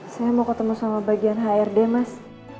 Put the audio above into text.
saya mau ketemu sama bagian hrd mas